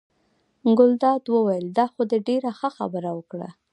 ګلداد وویل: دا خو دې ډېره ښه خبره وکړه.